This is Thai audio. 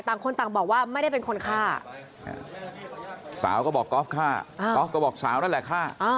ต่างคนต่างบอกว่าไม่ได้เป็นคนฆ่าสาวก็บอกก๊อฟฆ่ากอล์ฟก็บอกสาวนั่นแหละฆ่า